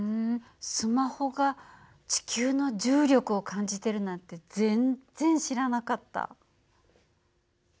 スマホが地球の重力を感じてるなんて全然知らなかった。